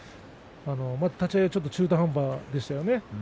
立ち合いはちょっと中途半端でしたよね。